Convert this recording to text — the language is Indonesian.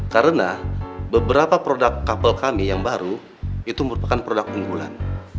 karena beberapa produk couple kami yang baru itu merupakan produk unggulan